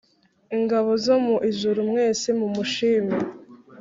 Ingabo zo mu ijuru mwese mumushime